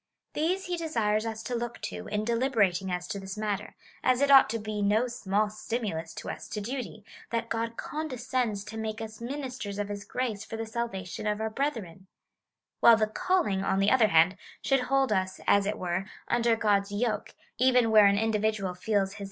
These he desires us to look to in deliberating as to this matter ; as it ought to be no small stimulus to us to duty, that God condescends to make us ministers of his grace for the salvation of our brethren ; while the calling, on the other hand, should hold us, as it ^" All bon cliemin ;"—" Into the good way."